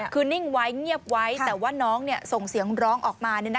คือนิ่งไว้เงียบไว้แต่ว่าน้องส่งเสียงร้องออกมา